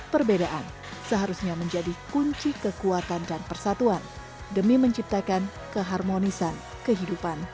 perbedaan seharusnya menjadi kunci kekuatan dan persatuan demi menciptakan keharmonisan kehidupan